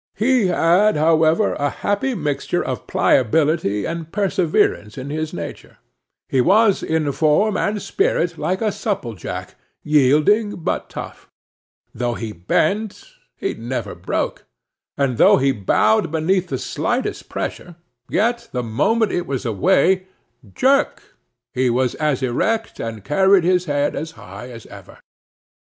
He had, however, a happy mixture of pliability and perseverance in his nature; he was in form and spirit like a supple jack yielding, but tough; though he bent, he never broke; and though he bowed beneath the slightest pressure, yet, the moment it was away jerk! he was as erect, and carried his head as high as ever.